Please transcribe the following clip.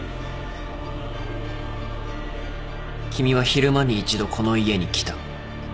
君は昼間に一度この家に来た。